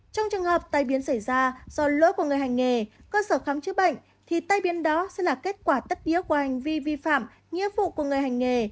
trong trường hợp tai biến xảy ra do lỗi của người hành nghề cơ sở khám chữa bệnh thì tai biến đó sẽ là kết quả tất yếu của hành vi vi phạm nghĩa vụ của người hành nghề